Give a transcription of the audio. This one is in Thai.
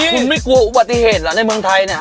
คุณไม่กลัวอุบัติเหตุเหรอในเมืองไทยเนี่ย